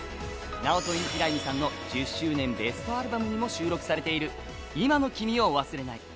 ナオト・インティライミさんの１０周年ベストアルバムにも収録されている「今のキミを忘れない」。